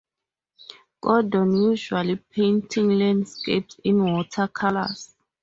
Gordon usually painting landscapes in watercolours.